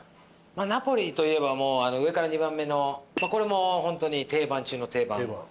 ナポリといえば上から２番目のこれもホントに定番中の定番になります。